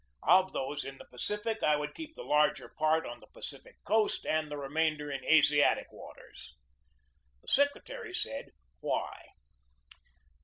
Of those in the Pacific, I would keep the larger part on the Pacific coast and the remainder in Asiatic waters." The secretary said, "Why?"